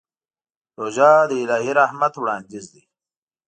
روژه د الهي رحمت وړاندیز دی.